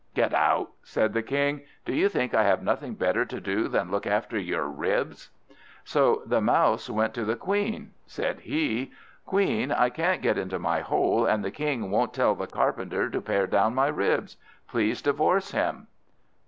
"Get out," said the King; "do you think I have nothing better to do than look after your ribs?" So the Mouse went to the Queen. Said he, "Queen, I can't get into my hole, and the King won't tell the Carpenter to pare down my ribs. Please divorce him."